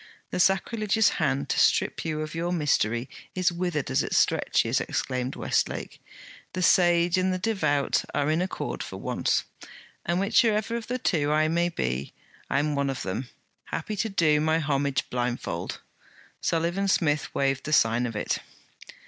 'The sacrilegious hand to strip you of your mystery is withered as it stretches,' exclaimed Westlake. 'The sage and the devout are in accord for once.' 'And whichever of the two I may be, I'm one of them, happy to do my homage blindfold!' Sullivan Smith waved the sign of it.